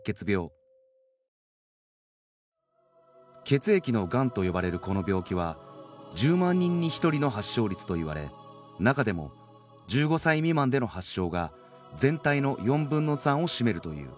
血液のがんと呼ばれるこの病気は１０万人に１人の発症率といわれ中でも１５歳未満での発症が全体の４分の３を占めるという